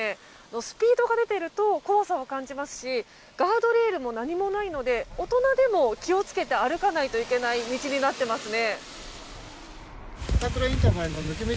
スピードが出ていると怖さを感じますしガードレールもなにもないので大人でも気をつけて歩かないといけない道になっていますね。